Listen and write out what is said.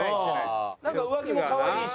なんか上着も可愛いし。